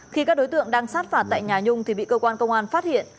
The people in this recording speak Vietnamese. khi các đối tượng đang sát phạt tại nhà nhung thì bị cơ quan công an phát hiện